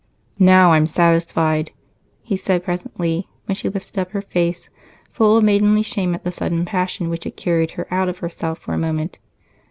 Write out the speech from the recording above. "Now I'm satisfied!" he said presently, when she lifted up her face, full of maidenly shame at the sudden passion which had carried her out of herself for a moment.